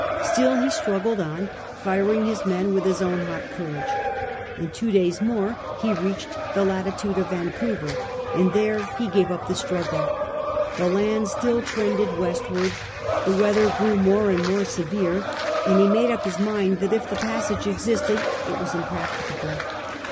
Still he struggled on, firing his men with his own hot courage. In two days more he reached the latitude of Vancouver, and there he gave up the struggle. The land still trended westward, the weather grew more and more severe, and he made up his mind that if the passage existed it was impracticable.